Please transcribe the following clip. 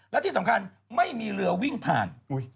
และที่สำคัญไม่มีเรือวิ่งผ่าน